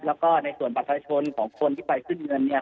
แล้วก็ในส่วนบัตรประชาชนของคนที่ไปขึ้นเงินเนี่ย